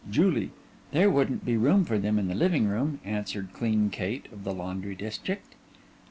JULIE: There wouldn't be room for them in the living room, answered Clean Kate of the Laundry District.